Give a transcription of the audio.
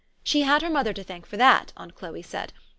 She had her mother to thank for that, aunt Chloe said.